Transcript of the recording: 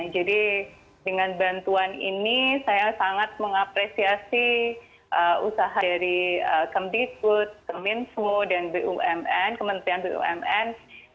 jadi dengan bantuan ini saya sangat mengapresiasi usaha dari kementerian bumn kementerian bumn